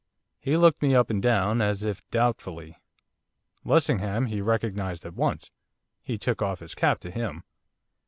He looked me up and down, as if doubtfully. Lessingham he recognised at once. He took off his cap to him.